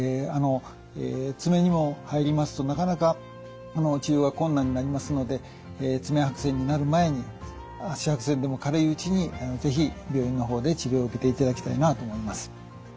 爪にも入りますとなかなか治療が困難になりますので爪白癬になる前に足白癬でも軽いうちに是非病院の方で治療を受けていただきたいなと思います。